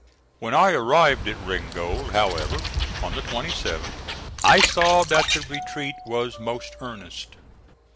When I arrived at Ringgold, however, on the 27th, I saw that the retreat was most earnest.